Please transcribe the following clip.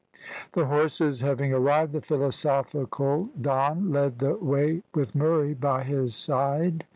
The horses having arrived, the philosophical Don led the way, with Murray by his side.